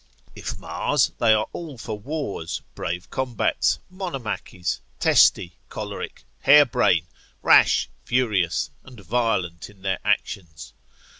If Mars, they are all for wars, brave combats, monomachies, testy, choleric, harebrain, rash, furious, and violent in their actions.